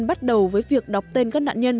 bắt đầu với việc đọc tên các nạn nhân